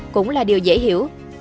cũng là điều dễ hiểu